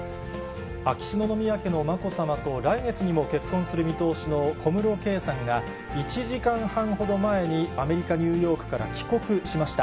秋篠宮家のまこさまと、来月にも結婚する見通しの小室圭さんが、１時間半ほど前にアメリカ・ニューヨークから帰国しました。